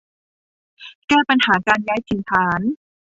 แก้ปัญหาการย้ายถิ่นฐาน